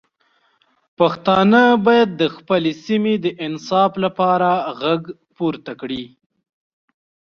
پښتانه باید د خپلې سیمې د انصاف لپاره غږ پورته کړي.